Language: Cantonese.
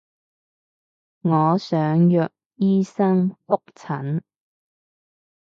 我想約醫生覆診